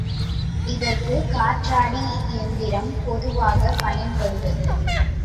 இதற்குக் காற்றாடி எந்திரம் பொதுவாகப் பயன்படுவது.